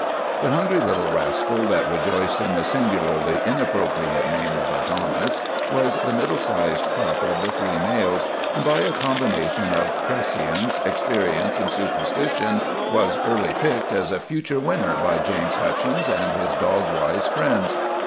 The hungry little rascal that rejoiced in the singu larly inappropriate name of Adonis, was the middle 287 288 THE RETURN OF THE CHAMPION sized pup of the three males, and, by a combination of prescience, experience, and superstition, was early picked as a future winner by James Hutchins and his dog wise friends.